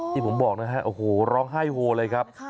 ที่ผมบอกนะร้องไห้โหลเลยครับ